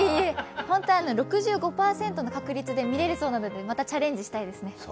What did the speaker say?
本当は６５％の確率で見れるそうなのでまたチャレンジしたいですね。